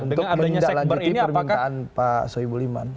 untuk menindaklanjuti permintaan pak soebo limani